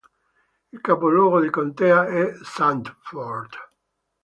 Il capoluogo di contea è Sanford.